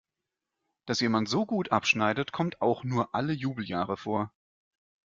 Dass jemand so gut abschneidet, kommt auch nur alle Jubeljahre vor.